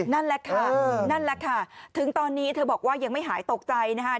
นั่นแหละค่ะนั่นแหละค่ะถึงตอนนี้เธอบอกว่ายังไม่หายตกใจนะคะ